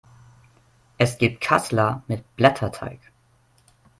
Es gibt Kassler mit Blätterteig.